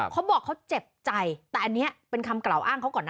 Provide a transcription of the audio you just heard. เขาบอกเขาเจ็บใจแต่อันนี้เป็นคำกล่าวอ้างเขาก่อนนะ